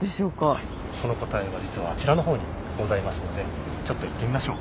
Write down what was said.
はいその答えは実はあちらの方にございますのでちょっと行ってみましょう。